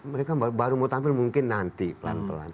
mereka baru mau tampil mungkin nanti pelan pelan